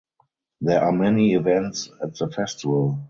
There are many events at the festival.